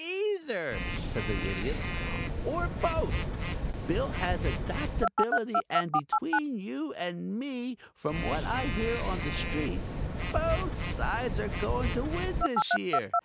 "Either," said the Idiot. "Or both. Bill has adaptability and, between you and me, from what I hear on the street both sides are going to win this year.